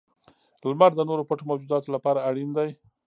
• لمر د نورو پټو موجوداتو لپاره اړین دی.